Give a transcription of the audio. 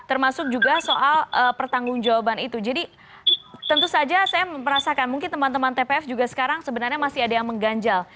termasuk juga soal pertanggung jawaban itu jadi tentu saja saya merasakan mungkin teman teman tpf juga sekarang sebenarnya masih ada yang mengganjal